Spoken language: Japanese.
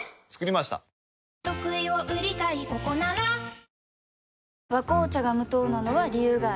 「ビオレ」「和紅茶」が無糖なのは、理由があるんよ。